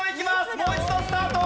もう一度スタート。